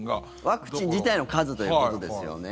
ワクチン自体の数ということですよね。